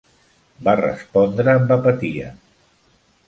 Va respondre amb apatia.